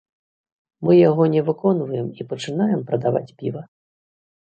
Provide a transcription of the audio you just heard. Мы яго не выконваем і пачынаем прадаваць піва.